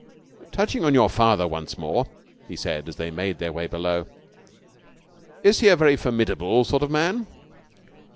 "Touching on your father once more," he said as they made their way below, "is he a very formidable sort of man?"